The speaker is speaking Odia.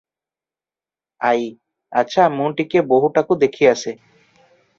ଆଈ - ଆଚ୍ଛା, ମୁଁ ଟିକିଏ ବୋହୂଟାକୁ ଦେଖି ଆସେ ।